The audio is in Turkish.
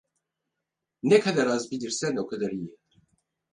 Ne kadar az bilirsen o kadar iyi.